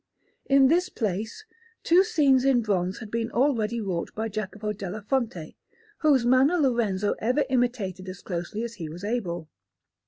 In this place two scenes in bronze had been already wrought by Jacopo della Fonte, whose manner Lorenzo ever imitated as closely as he was able.